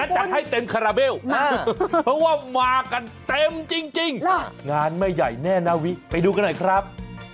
จัดให้เต็มคาราเบลเพราะว่ามากันเต็มจริงงานไม่ใหญ่แน่นาวิไปดูกันหน่อยครับ